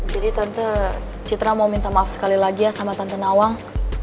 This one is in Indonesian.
jadi tante citra mau minta maaf sekali lagi ya sama tante nawang